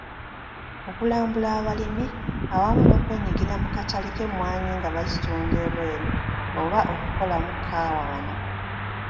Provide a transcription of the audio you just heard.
Okulambula abalimi awamu n’okwenyigira mu katale k’emmwanyi nga bazitunda ebweru oba okukolamu kkaawa wano.